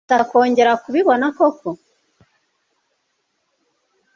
Urashaka kongera kubibona koko?